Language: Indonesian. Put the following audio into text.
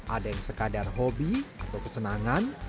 ada yang sekadar hobi atau kesenangan